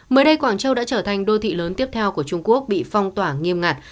mới đây quảng châu đã trở thành đô thị lớn tiếp theo của trung quốc bị phong tỏa nghiêm ngặt